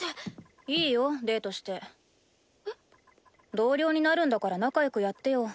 同僚になるんだから仲よくやってよ。